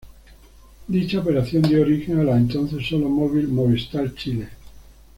Dicha operación dio origen a la entonces solo móvil Movistar Chile.